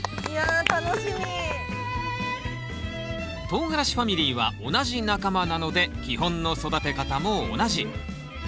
とうがらしファミリーは同じ仲間なので基本の育て方も同じ。